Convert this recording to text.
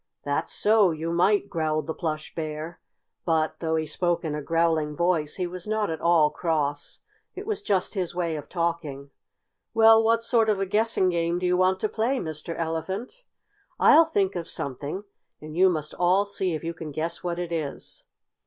"That's so you might," growled the Plush Bear, but, though he spoke in a growling voice he was not at all cross. It was just his way of talking. "Well, what sort of a guessing game do you want to play, Mr. Elephant?" "I'll think of something, and you must all see if you can guess what it is."